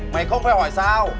mày không phải hỏi sao